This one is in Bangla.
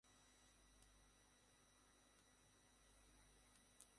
সুদালাই, সামলে।